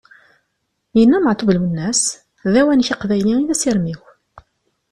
Yenna Meɛtub Lwennas: "d awanek aqbayli i d asirem-iw!"